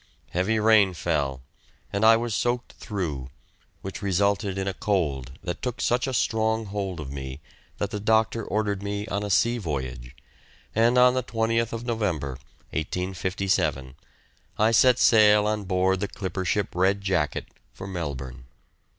Heavy rain fell and I was soaked through, which resulted in a cold that took such a strong hold of me that the doctor ordered me a sea voyage, and on the 20th November, 1857, I set sail on board the clipper ship "Red Jacket," for Melbourne.